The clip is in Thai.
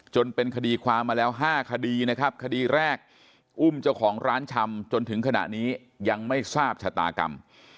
จนเป็นคดีความมาแล้ว๕คดีนะครับคดีแรกอุ้มเจ้าของร้านชำจนถึงขณะนี้ยังไม่ทราบชะตากรรม